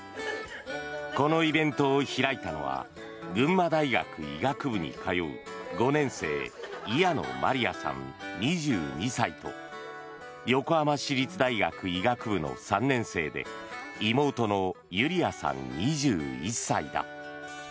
このイベントを開いたのは群馬大学医学部に通う５年生伊谷野真莉愛さん、２２歳と横浜市立大学医学部の３年生で妹の友里愛さん、２１歳だ。